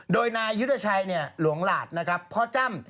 โดยนายุธชัยหลวงหลาดพ่อจ้ำ